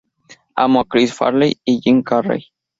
Amo a Chris Farley y Jim Carrey.